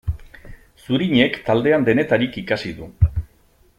Zurinek taldean denetarik ikasi du.